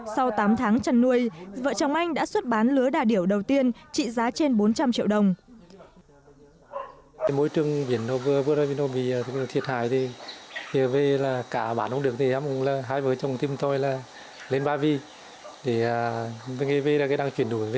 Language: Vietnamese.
sau tám tháng chăn nuôi vợ chồng anh đã xuất bán lứa đà điểu đầu tiên trị giá trên bốn trăm linh triệu đồng